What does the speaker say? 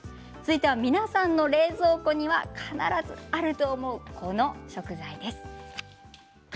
皆さんの冷蔵庫には必ずあると思うこの食材です。